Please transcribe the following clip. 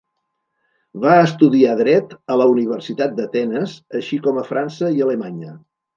Va estudiar Dret a la Universitat d'Atenes, així com a França i Alemanya.